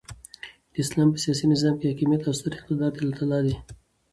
د اسلام په سیاسي نظام کښي حاکمیت او ستر اقتدار د االله تعالى دي.